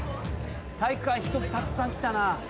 体育館人たくさん来たな。